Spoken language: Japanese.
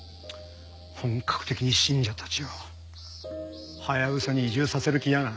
本格的に信者たちをハヤブサに移住させる気やな。